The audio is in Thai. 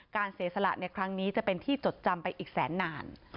เสียสละในครั้งนี้จะเป็นที่จดจำไปอีกแสนนาน